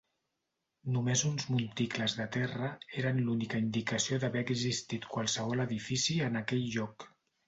Només uns monticles de terra eren l'única indicació d'haver existit qualsevol edifici en aquell lloc.